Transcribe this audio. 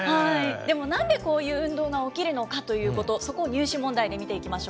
でもなんでこういう運動が起きるのかということ、そこ、入試問題で見ていきましょう。